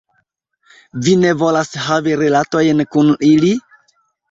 Vi ne volas havi rilatojn kun ili?